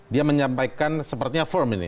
dia menyampaikan sepertinya firm ini